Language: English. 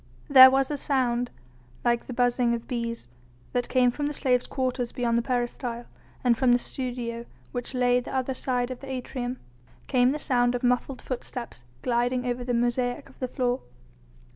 There was a sound like the buzzing of bees that came from the slaves' quarters beyond the peristyle, and from the studio, which lay the other side of the atrium, came the sound of muffled footsteps gliding over the mosaic of the floor.